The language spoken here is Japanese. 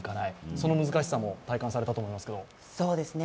その難しさも体感されたと思いますけど。